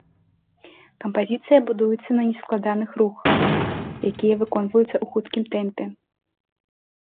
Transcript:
Кампазіцыйна будуецца на нескладаных рухах, якія выконваюцца ў хуткім тэмпе.